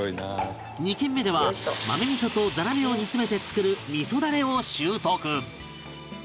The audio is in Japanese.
２軒目では豆味噌とザラメを煮詰めて作る味噌ダレを習得